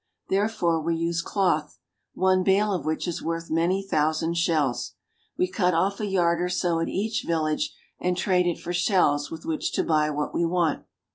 Therefore we use cloth, one bale of which is worth many thousand shells. We cut off a yard or so at each village, and trade it for shells with which to buy what we want.